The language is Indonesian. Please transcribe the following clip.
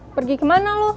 pergi kemana lo